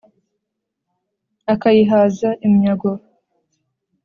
akayihaza iminyago.